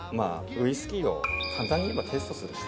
ウイスキーを簡単に言えばテイストする人。